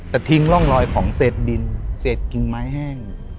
แต่ทิ้งร่องรอยของเศษดินเศษกิ่งไม้แห้ง